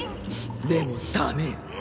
でもダメよ！